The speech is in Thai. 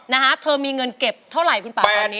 นะฮะเธอมีเงินเก็บเท่าไหร่คุณป่าตอนนี้